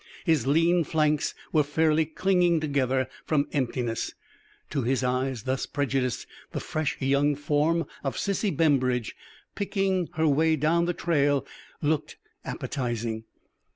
His lean flanks were fairly clinging together from emptiness. To his eyes, thus prejudiced, the fresh young form of Sissy Bembridge, picking its way down the trail, looked appetizing.